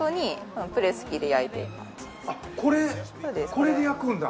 これで焼くんだ。